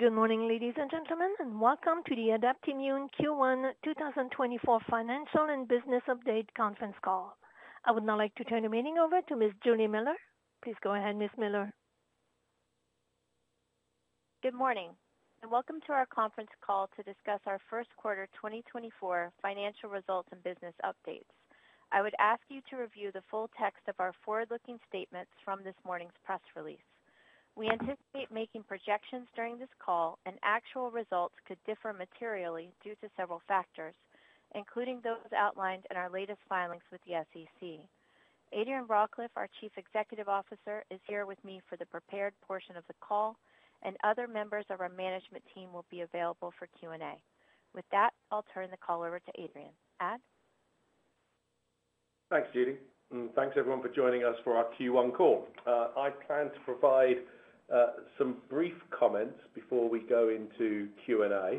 Good morning, ladies and gentlemen, and welcome to the Adaptimmune Q1 2024 Financial and Business Update Conference Call. I would now like to turn the meeting over to Ms. Juli Miller. Please go ahead, Ms. Miller. Good morning, and welcome to our conference call to discuss our first quarter 2024 financial results and business updates. I would ask you to review the full text of our forward-looking statements from this morning's press release. We anticipate making projections during this call, and actual results could differ materially due to several factors, including those outlined in our latest filings with the SEC. Adrian Rawcliffe, our Chief Executive Officer, is here with me for the prepared portion of the call, and other members of our management team will be available for Q&A. With that, I'll turn the call over to Adrian. Ad? Thanks, Julie, and thanks everyone for joining us for our Q1 call. I plan to provide some brief comments before we go into Q&A.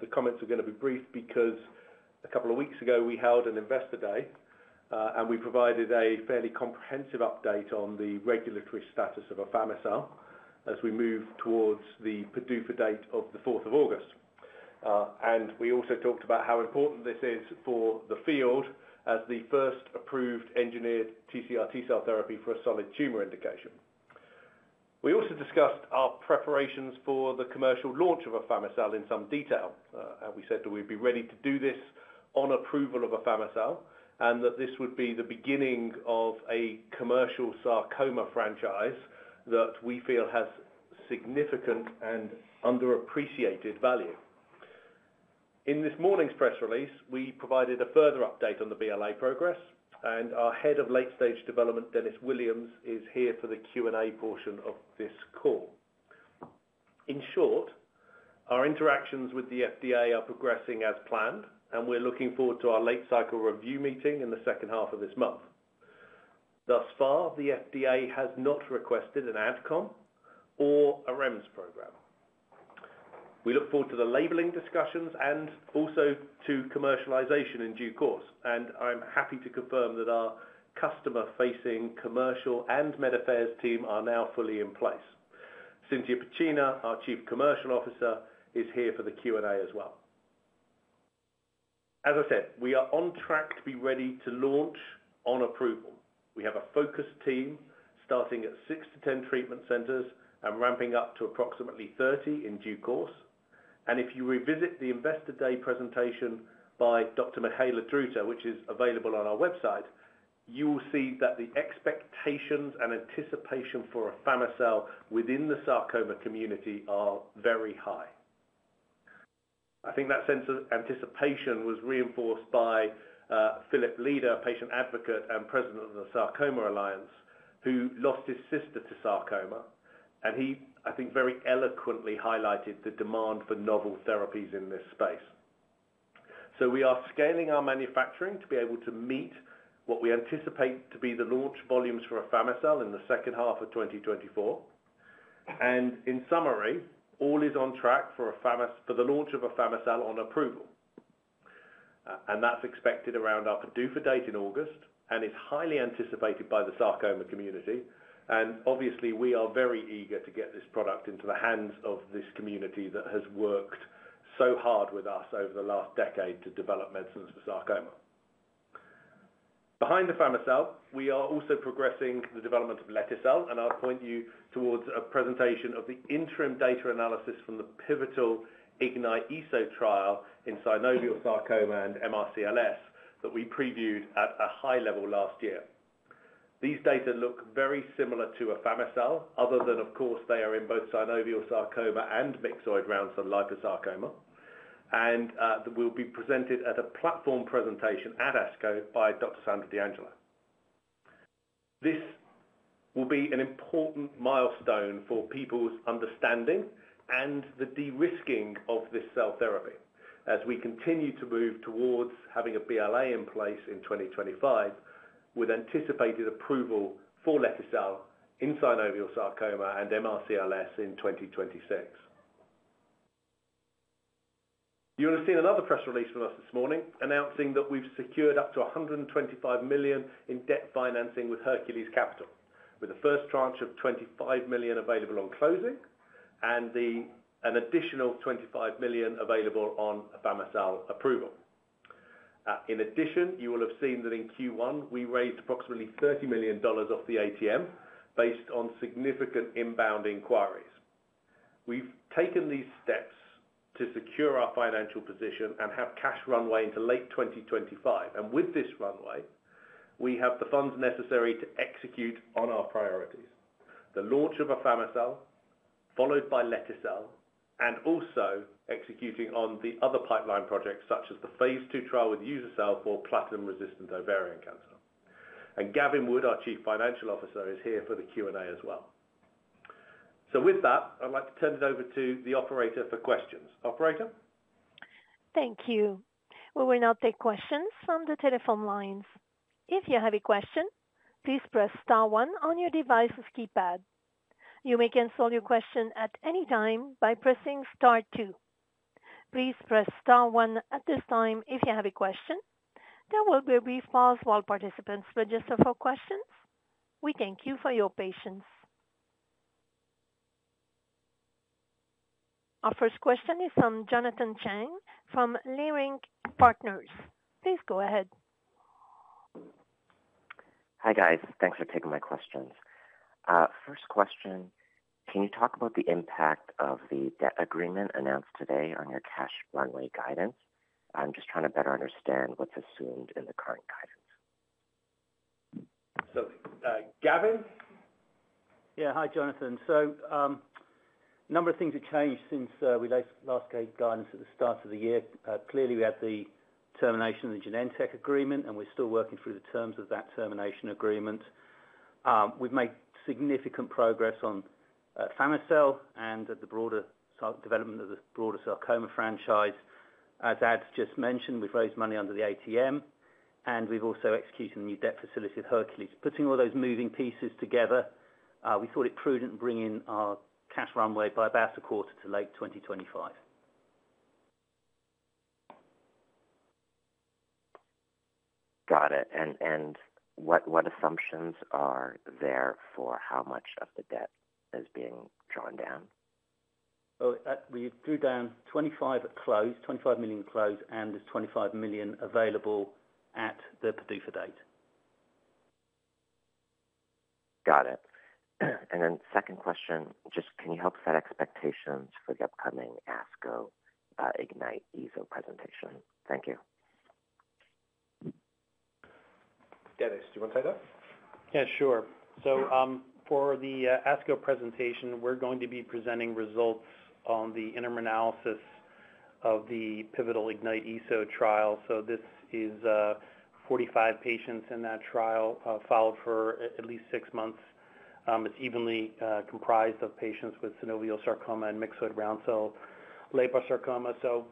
The comments are gonna be brief because a couple of weeks ago, we held an Investor Day, and we provided a fairly comprehensive update on the regulatory status of afami-cel as we move towards the PDUFA date of the fourth of August. And we also talked about how important this is for the field as the first approved engineered TCR T-cell therapy for a solid tumor indication. We also discussed our preparations for the commercial launch of afami-cel in some detail, and we said that we'd be ready to do this on approval of afami-cel, and that this would be the beginning of a commercial sarcoma franchise that we feel has significant and underappreciated value. In this morning's press release, we provided a further update on the BLA progress, and our Head of Late Stage Development, Dennis Williams, is here for the Q&A portion of this call. In short, our interactions with the FDA are progressing as planned, and we're looking forward to our late-cycle review meeting in the second half of this month. Thus far, the FDA has not requested an AdCom or a REMS program. We look forward to the labeling discussions and also to commercialization in due course, and I'm happy to confirm that our customer-facing commercial and med affairs team are now fully in place. Cintia Piccina, our Chief Commercial Officer, is here for the Q&A as well. As I said, we are on track to be ready to launch on approval. We have a focused team starting at six to 10 treatment centers and ramping up to approximately 30 in due course. And if you revisit the Investor Day presentation by Dr. Mihaela Druta, which is available on our website, you will see that the expectations and anticipation for afami-cel within the sarcoma community are very high. I think that sense of anticipation was reinforced by Philip Prassas, patient advocate and president of the Sarcoma Alliance, who lost his sister to sarcoma, and he, I think, very eloquently highlighted the demand for novel therapies in this space. So we are scaling our manufacturing to be able to meet what we anticipate to be the launch volumes for afami-cel in the second half of 2024. And in summary, all is on track for the launch of afami-cel on approval. And that's expected around our PDUFA date in August, and it's highly anticipated by the sarcoma community. Obviously, we are very eager to get this product into the hands of this community that has worked so hard with us over the last decade to develop medicines for sarcoma. Behind afami-cel, we are also progressing the development of lete-cel, and I'll point you towards a presentation of the interim data analysis from the pivotal IGNITE-ESO trial in synovial sarcoma and MRCLS that we previewed at a high level last year. These data look very similar to afami-cel, other than, of course, they are in both synovial sarcoma and myxoid round cell liposarcoma, and that will be presented at a platform presentation at ASCO by Dr. Sandra D'Angelo. This will be an important milestone for people's understanding and the de-risking of this cell therapy as we continue to move towards having a BLA in place in 2025, with anticipated approval for lete-cel in synovial sarcoma and MRCLS in 2026. You will have seen another press release from us this morning, announcing that we've secured up to $125 million in debt financing with Hercules Capital, with the first tranche of $25 million available on closing and an additional $25 million available on afami-cel approval. In addition, you will have seen that in Q1, we raised approximately $30 million off the ATM based on significant inbound inquiries. We've taken these steps to secure our financial position and have cash runway into late 2025. With this runway, we have the funds necessary to execute on our priorities: the launch of afami-cel, followed by lete-cel, and also executing on the other pipeline projects, such as the phase II trial with uzopt-cel for platinum-resistant ovarian cancer. Gavin Wood, our Chief Financial Officer, is here for the Q&A as well. With that, I'd like to turn it over to the operator for questions. Operator? Thank you. We will now take questions from the telephone lines. If you have a question, please press star one on your device's keypad. You may cancel your question at any time by pressing star two.... Please press star one at this time if you have a question. There will be a brief pause while participants register for questions. We thank you for your patience. Our first question is from Jonathan Chang, from Leerink Partners. Please go ahead. Hi, guys. Thanks for taking my questions. First question, can you talk about the impact of the debt agreement announced today on your cash runway guidance? I'm just trying to better understand what's assumed in the current guidance. So, Gavin? Yeah. Hi, Jonathan. A number of things have changed since we last gave guidance at the start of the year. Clearly, we had the termination of the Genentech agreement, and we're still working through the terms of that termination agreement. We've made significant progress on afami-cel and the broader sarcoma development of the broader sarcoma franchise. As Adrian just mentioned, we've raised money under the ATM, and we've also executed a new debt facility with Hercules. Putting all those moving pieces together, we thought it prudent bringing our cash runway by about a quarter to late 2025. Got it. And what assumptions are there for how much of the debt is being drawn down? Oh, we drew down $25 million at close, $25 million at close, and there's $25 million available at the PDUFA date. Got it. And then second question, just can you help set expectations for the upcoming ASCO, IGNITE-ESO presentation? Thank you. Dennis, do you wanna take that? Yeah, sure. So, for the ASCO presentation, we're going to be presenting results on the interim analysis of the pivotal IGNITE-ESO trial. So this is 45 patients in that trial, followed for at least six months. It's evenly comprised of patients with synovial sarcoma and myxoid round cell liposarcoma. So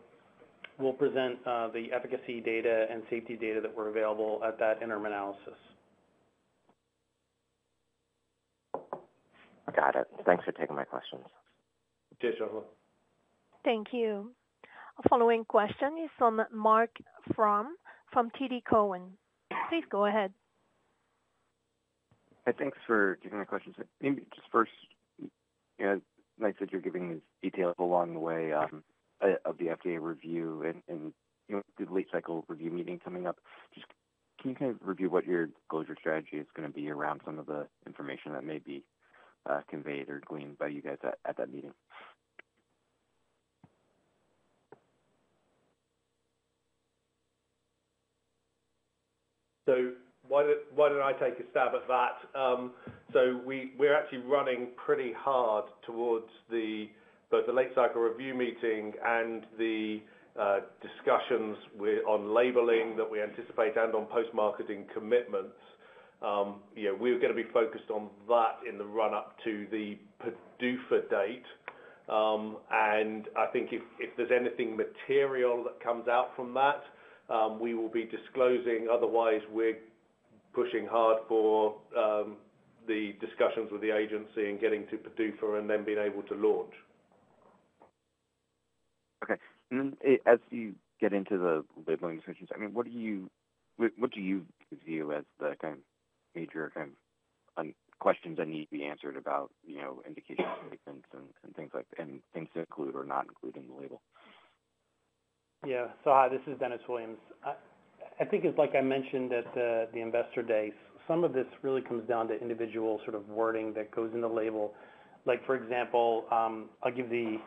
we'll present the efficacy data and safety data that were available at that interim analysis. Got it. Thanks for taking my questions. Okay. Jonathan. Thank you. Our following question is from Marc Frahm from TD Cowen. Please go ahead. Hi, thanks for taking my questions. Maybe just first, you know, nice that you're giving these details along the way, of the FDA review and you know, good late-cycle review meeting coming up. Just, can you kind of review what your disclosure strategy is gonna be around some of the information that may be conveyed or gleaned by you guys at that meeting? So why don't I take a stab at that? So we're actually running pretty hard towards both the late-cycle review meeting and the discussions on labeling that we anticipate and on post-marketing commitments. You know, we're gonna be focused on that in the run-up to the PDUFA date. And I think if there's anything material that comes out from that, we will be disclosing. Otherwise, we're pushing hard for the discussions with the agency and getting to PDUFA and then being able to launch. Okay. And then as you get into the labeling decisions, I mean, what do you view as the kind of major kind of questions that need to be answered about, you know, indication statements and things like, and things to include or not include in the label? Yeah. So hi, this is Dennis Williams. I think it's like I mentioned at the Investor Day, some of this really comes down to individual sort of wording that goes in the label. Like, for example, I'll give the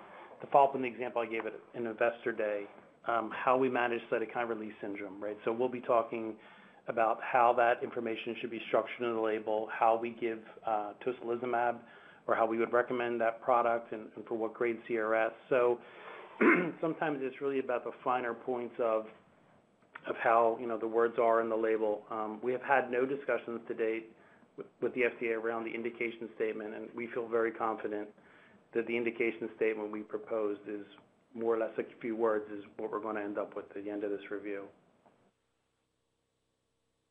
follow-up on the example I gave at an Investor Day, how we manage cytokine release syndrome, right? So we'll be talking about how that information should be structured in the label, how we give tocilizumab, or how we would recommend that product and for what grade CRS. So sometimes it's really about the finer points of how, you know, the words are in the label. We have had no discussions to date with the FDA around the indication statement, and we feel very confident that the indication statement we proposed is more or less like a few words what we're gonna end up with at the end of this review.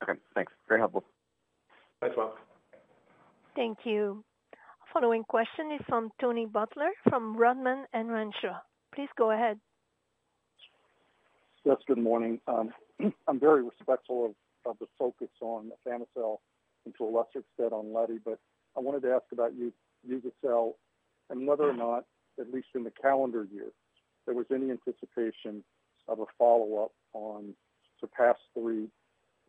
Okay, thanks. Very helpful. Thanks, Marc. Thank you. Following question is from Tony Butler, from Rodman & Renshaw. Please go ahead. Yes, good morning. I'm very respectful of the focus on afami-cel to a lesser extent on lete-cel, but I wanted to ask about uzopt-cel and whether or not, at least in the calendar year, there was any anticipation of a follow-up on SURPASS-3,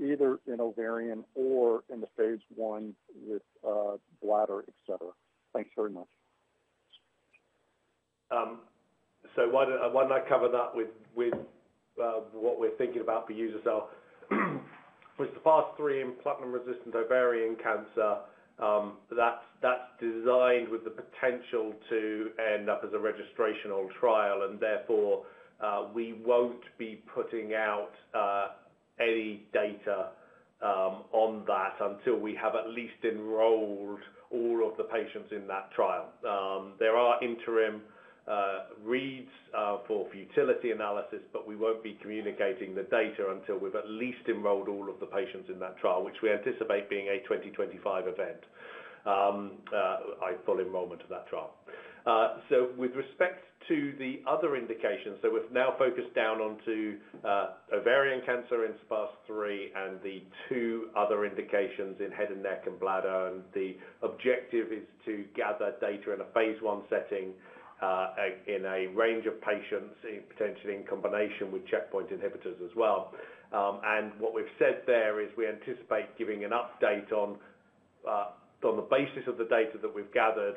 either in ovarian or in the phase I with bladder, et cetera. Thanks very much. So why don't I cover that with what we're thinking about for uzopt-cel? With SURPASS-3 in platinum-resistant ovarian cancer, that's designed with the potential to end up as a registrational trial, and therefore, we won't be putting out any data on that until we have at least enrolled all of the patients in that trial. There are interim reads for futility analysis, but we won't be communicating the data until we've at least enrolled all of the patients in that trial, which we anticipate being a 2025 event, full enrollment of that trial. So with respect to the other indications, so we've now focused down onto ovarian cancer in SURPASS-3 and the two other indications in head and neck and bladder. The objective is to gather data in a phase 1 setting, in a range of patients, potentially in combination with checkpoint inhibitors as well. What we've said there is we anticipate giving an update on the basis of the data that we've gathered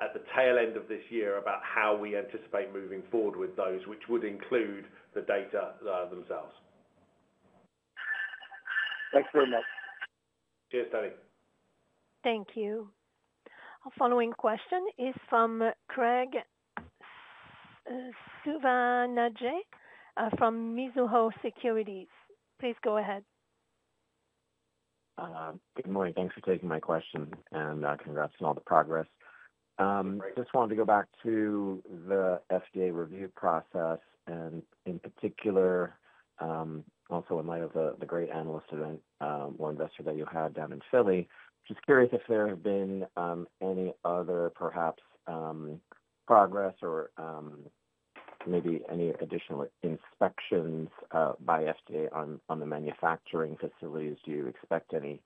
at the tail end of this year about how we anticipate moving forward with those, which would include the data themselves. Thanks very much. Cheers, Tony. Thank you. Our following question is from Graig Suvannavejh from Mizuho Securities. Please go ahead. Good morning. Thanks for taking my question, and, congrats on all the progress. Great. Just wanted to go back to the FDA review process, and in particular, also in light of the great analyst event or investor that you had down in Philly. Just curious if there have been any other perhaps progress or maybe any additional inspections by FDA on the manufacturing facilities. Do you expect any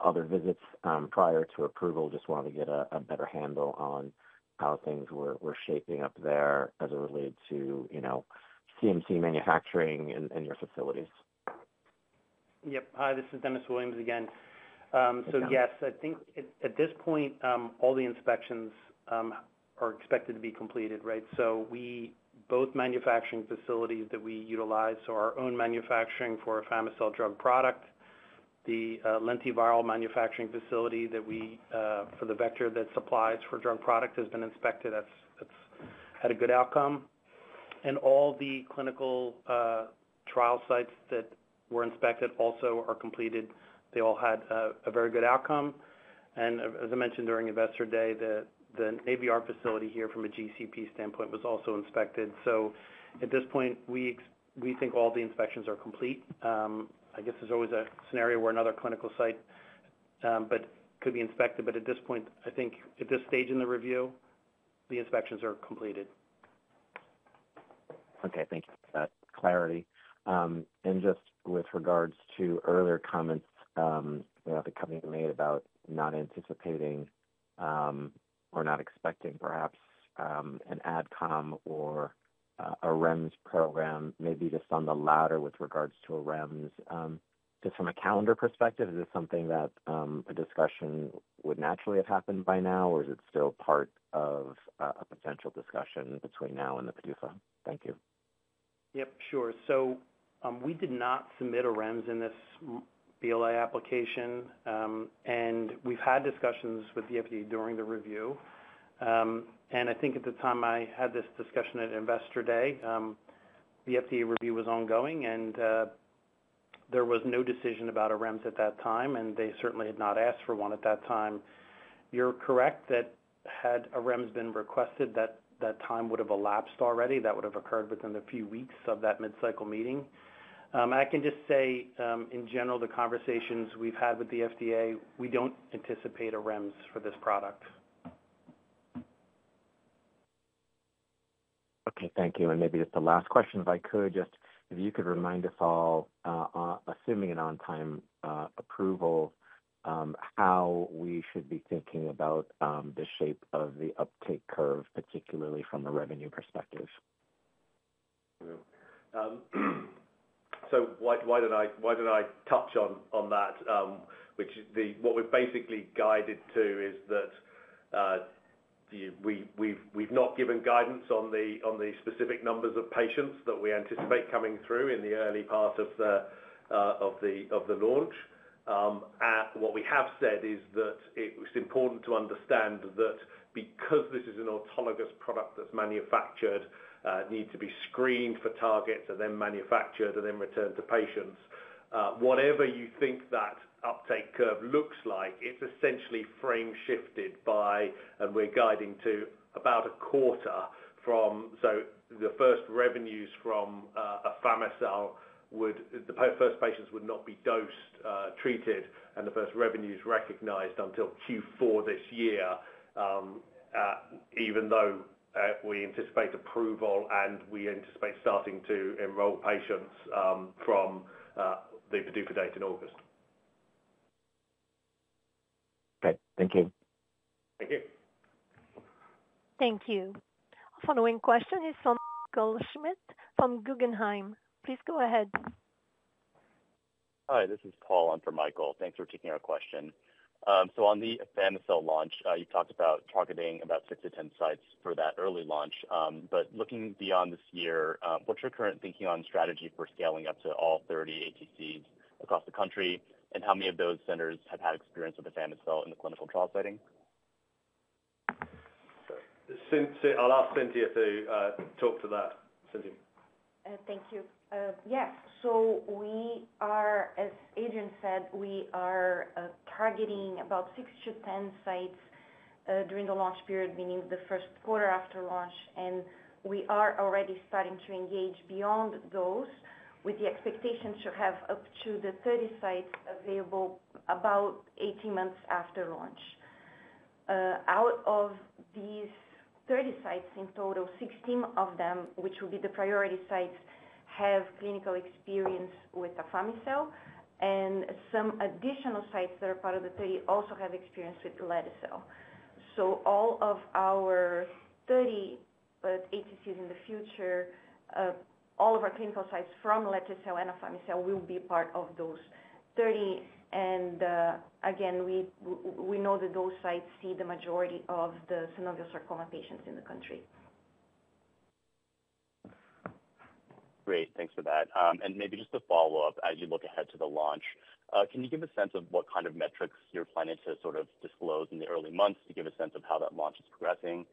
other visits prior to approval? Just want to get a better handle on how things were shaping up there as it relates to, you know, CMC manufacturing in your facilities. Yep. Hi, this is Dennis Williams again. So yes, I think at this point all the inspections are expected to be completed, right? So both manufacturing facilities that we utilize, so our own manufacturing for afami-cel drug product, the lentiviral manufacturing facility that we for the vector that supplies for drug product has been inspected. That's. It's had a good outcome. And all the clinical trial sites that were inspected also are completed. They all had a very good outcome. And as I mentioned during Investor Day, the AVR facility here from a GCP standpoint was also inspected. So at this point we think all the inspections are complete. I guess there's always a scenario where another clinical site could be inspected, but at this point, I think at this stage in the review, the inspections are completed. Okay. Thank you for that clarity. And just with regards to earlier comments, that the company made about not anticipating, or not expecting perhaps, an AdCom or, a REMS program, maybe just on the latter with regards to a REMS. Just from a calendar perspective, is this something that, a discussion would naturally have happened by now, or is it still part of a, a potential discussion between now and the PDUFA? Thank you. Yep, sure. So, we did not submit a REMS in this BLA application. We've had discussions with the FDA during the review. I think at the time I had this discussion at Investor Day, the FDA review was ongoing, and there was no decision about a REMS at that time, and they certainly had not asked for one at that time. You're correct that had a REMS been requested, that time would have elapsed already. That would have occurred within a few weeks of that mid-cycle meeting. I can just say, in general, the conversations we've had with the FDA, we don't anticipate a REMS for this product. Okay. Thank you. And maybe just the last question, if I could, just if you could remind us all, assuming an on-time approval, how we should be thinking about the shape of the uptake curve, particularly from a revenue perspective? So why don't I touch on that? What we've basically guided to is that we've not given guidance on the specific numbers of patients that we anticipate coming through in the early part of the launch. What we have said is that it's important to understand that because this is an autologous product that's manufactured, need to be screened for targets and then manufactured and then returned to patients. Whatever you think that uptake curve looks like, it's essentially frame shifted by, and we're guiding to about a quarter from. So the first revenues from afami-cel would, the first patients would not be dosed, treated, and the first revenues recognized until Q4 this year. Even though we anticipate approval and we anticipate starting to enroll patients from the PDUFA date in August. Okay. Thank you. Thank you. Thank you. Our following question is from Michael Schmidt from Guggenheim. Please go ahead. Hi, this is Paul. I'm for Michael. Thanks for taking our question. So on the afami-cel launch, you talked about targeting about 6-10 sites for that early launch. But looking beyond this year, what's your current thinking on strategy for scaling up to all 30 ATCs across the country? And how many of those centers have had experience with afami-cel in the clinical trial setting? I'll ask Cintia to talk to that. Cintia? Thank you. Yes. So we are, as Adrian said, we are targeting about 6-10 sites during the launch period, meaning the first quarter after launch, and we are already starting to engage beyond those, with the expectation to have up to the 30 sites available about 18 months after launch. Out of these 30 sites in total, 16 of them, which will be the priority sites, have clinical experience with afami-cel, and some additional sites that are part of the 30 also have experience with lete-cel. So all of our 30 ATCs in the future, all of our clinical sites from lete-cel and afami-cell will be part of those 30. And, again, we know that those sites see the majority of the synovial sarcoma patients in the country. Great. Thanks for that. And maybe just to follow up, as you look ahead to the launch, can you give a sense of what kind of metrics you're planning to sort of disclose in the early months to give a sense of how that launch is progressing?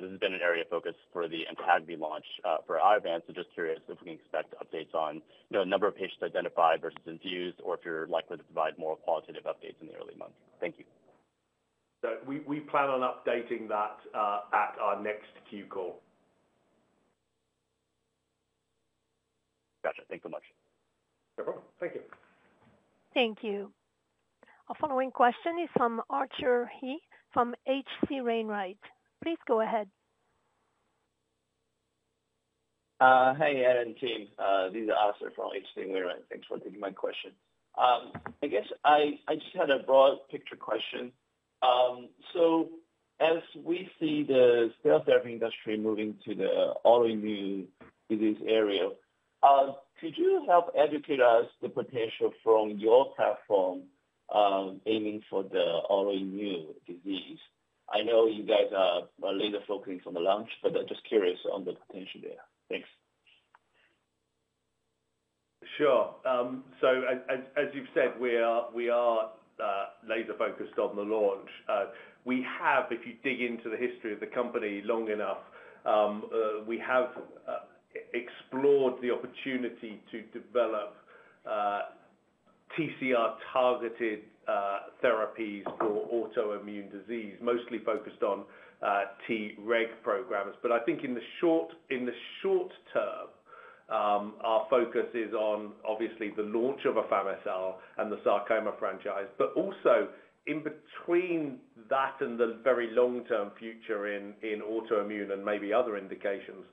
This has been an area of focus for the Amtagvi launch, for Iovance, so just curious if we can expect updates on, you know, number of patients identified versus views, or if you're likely to provide more qualitative updates in the early months. Thank you. We plan on updating that at our next Q call. Gotcha. Thank you so much. No problem. Thank you. Thank you. Our following question is from Arthur He from H.C. Wainwright. Please go ahead. Hi, Ad and team. This is Arthur He from H.C. Wainwright. Thanks for taking my question. I guess I just had a broad picture question. So as we see the cell therapy industry moving to the autoimmune disease area, could you help educate us the potential from your platform, aiming for the autoimmune disease? I know you guys are laser focusing on the launch, but I'm just curious on the potential there. Thanks. Sure. So as you've said, we are laser focused on the launch. We have, if you dig into the history of the company long enough, we have explored the opportunity to develop TCR-targeted therapies for autoimmune disease, mostly focused on Treg programs. But I think in the short term, our focus is on, obviously, the launch of afami-cel and the sarcoma franchise, but also in between that and the very long-term future in autoimmune and maybe other indications,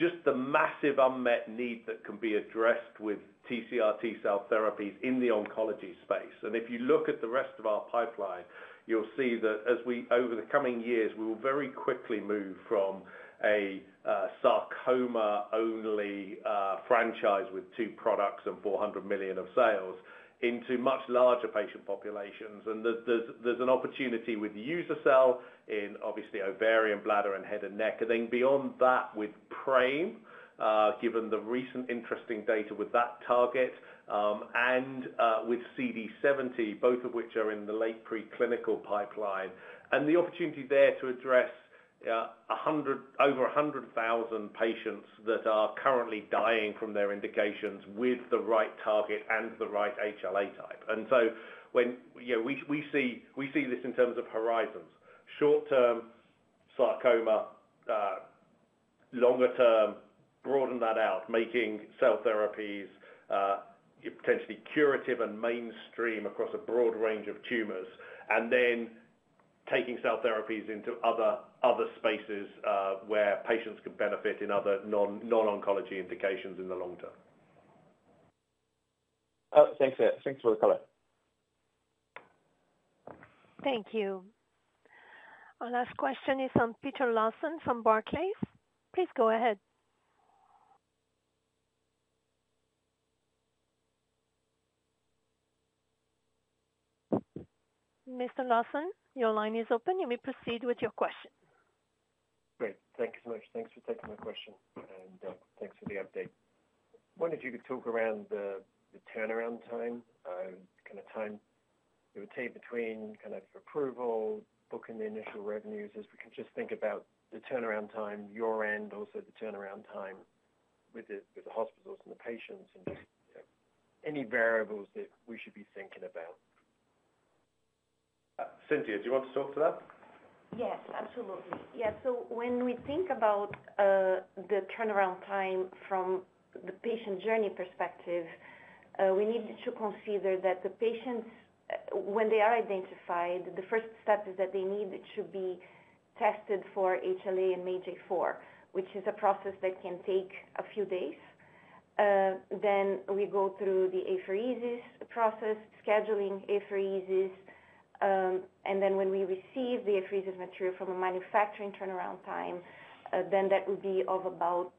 just the massive unmet need that can be addressed with TCR T-cell therapies in the oncology space. And if you look at the rest of our pipeline, you'll see that as we... Over the coming years, we will very quickly move from a sarcoma-only franchise with two products and $400 million of sales into much larger patient populations. And there's an opportunity with uzopt-cel in obviously ovarian, bladder, and head and neck. And then beyond that, with PRAME, given the recent interesting data with that target, and with CD70, both of which are in the late preclinical pipeline. And the opportunity there to address over 100,000 patients that are currently dying from their indications with the right target and the right HLA type. And so, you know, we see this in terms of horizons. Short term, sarcoma, longer term, broaden that out, making cell therapies potentially curative and mainstream across a broad range of tumors, and then taking cell therapies into other spaces, where patients can benefit in other non-oncology indications in the long term. Thanks, Ad. Thanks for the color. Thank you. Our last question is from Peter Lawson from Barclays. Please go ahead. Mr. Lawson, your line is open. You may proceed with your question. Great. Thank you so much. Thanks for taking my question, and, thanks for the update. Wondering if you could talk around the turnaround time, kind of time it would take between kind of approval, booking the initial revenues, as we can just think about the turnaround time, your end, also the turnaround time with the hospitals and the patients, and just, you know, any variables that we should be thinking about. Cintia, do you want to talk to that? Yes, absolutely. Yeah, so when we think about the turnaround time from the patient journey perspective, we need to consider that the patients, when they are identified, the first step is that they need to be tested for HLA and MAGE-A4, which is a process that can take a few days. Then we go through the apheresis process, scheduling apheresis, and then when we receive the apheresis material from a manufacturing turnaround time, then that would be of about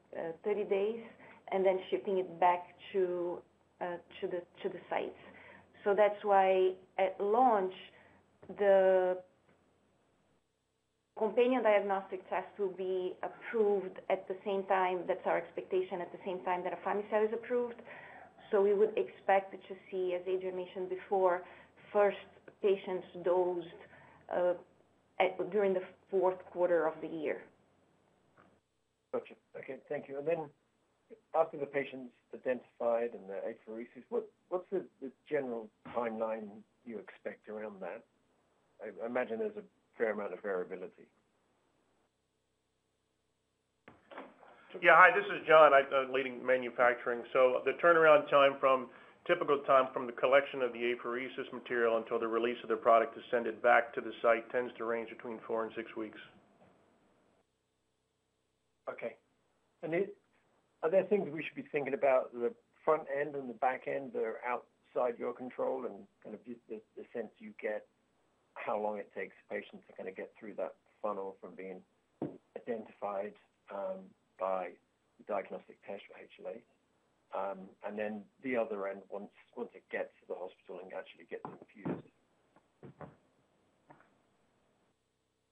30 days, and then shipping it back to the sites. So that's why at launch, the companion diagnostic test will be approved at the same time, that's our expectation, at the same time that afami-cel is approved. So we would expect to see, as Adrian mentioned before, first patients dosed at during the fourth quarter of the year. Gotcha. Okay, thank you. And then after the patient's identified and the apheresis, what's the general timeline you expect around that? I imagine there's a fair amount of variability. Yeah. Hi, this is John leading manufacturing. So the turnaround time from typical time from the collection of the apheresis material until the release of the product is send it back to the site, tends to range between 4 and 6 weeks. Okay. And are there things we should be thinking about the front end and the back end that are outside your control and kind of the sense you get, how long it takes patients to kind of get through that funnel from being identified by the diagnostic test for HLA? And then the other end, once it gets to the hospital and actually gets infused.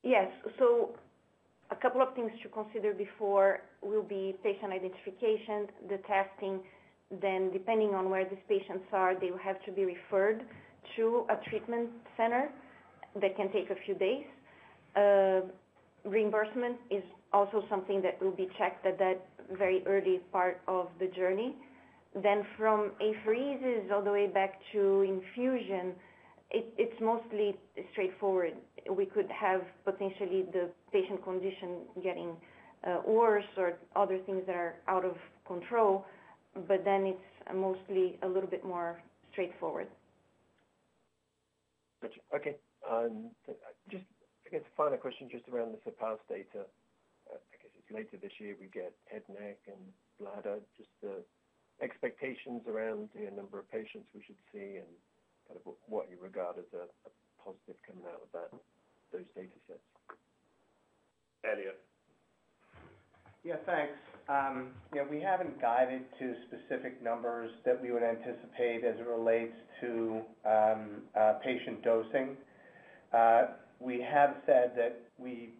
Yes. So a couple of things to consider before will be patient identification, the testing. Then, depending on where these patients are, they will have to be referred to a treatment center. That can take a few days. Reimbursement is also something that will be checked at that very early part of the journey. Then from apheresis all the way back to infusion, it, it's mostly straightforward. We could have potentially the patient condition getting worse or other things that are out of control, but then it's mostly a little bit more straightforward. Gotcha. Okay. Just, I guess, a final question just around the SURPASS data. I guess it's later this year, we get head, neck, and bladder. Just, expectations around the number of patients we should see and kind of what you regard as a positive coming out of that, those data sets. Elliot? Yeah, thanks. Yeah, we haven't guided to specific numbers that we would anticipate as it relates to patient dosing. We have said that we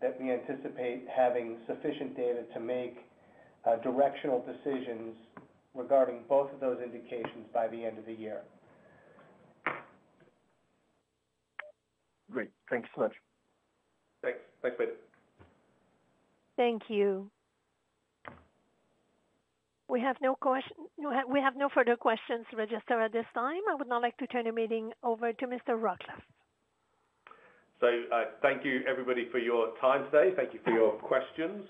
that we anticipate having sufficient data to make directional decisions regarding both of those indications by the end of the year. Great. Thank you so much. Thanks. Thanks, Peter. Thank you. We have no questions—we have no further questions registered at this time. I would now like to turn the meeting over to Mr. Rawcliffe. So, thank you, everybody, for your time today. Thank you for your questions.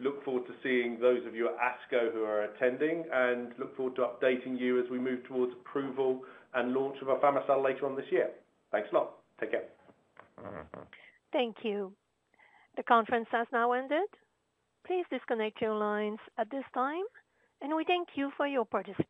Look forward to seeing those of you at ASCO who are attending, and look forward to updating you as we move towards approval and launch of afami-cel later on this year. Thanks a lot. Take care. Thank you. The conference has now ended. Please disconnect your lines at this time, and we thank you for your participation.